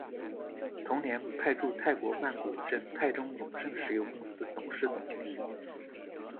同年派驻泰国曼谷任泰中永胜石油公司董事总经理。